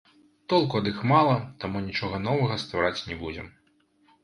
Толку ад іх мала, таму нічога новага ствараць не будзем.